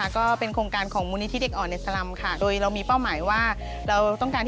ก็เป็นโครงการของมูลนิธิเด็กอ่อนสรรค์ค่ะ